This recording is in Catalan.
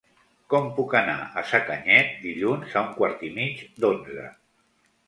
Com puc anar a Sacanyet dilluns a un quart i mig d'onze?